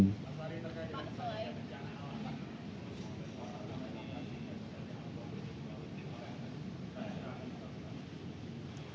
pak terima kasih